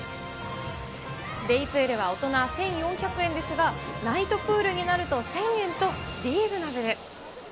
デイプールは大人１４００円ですが、ナイトプールになると、１０００円とリーズナブル。